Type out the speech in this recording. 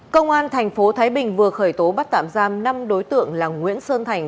công an thành phố thái bình vừa khởi tố bắt tạm giam năm đối tượng là nguyễn sơn thành